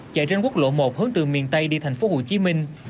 chạy trên quốc lộ một hướng từ miền tây đi thành phố hồ chí minh